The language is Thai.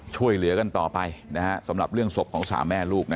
ช่วยเหลือกันต่อไปสำหรับเรื่องศพของ๓แม่ลูก